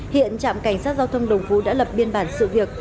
hiện trạm cảnh sát giao thông đồng phú đã lập biên bản sự việc